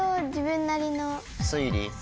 推理？